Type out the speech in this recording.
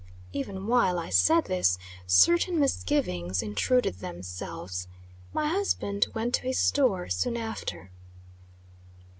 Even while I said this, certain misgivings intruded themselves. My husband went to his store soon after.